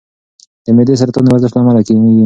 د معدې سرطان د ورزش له امله کمېږي.